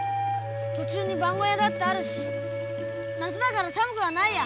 途中に番小屋だってあるし夏だから寒くはないや。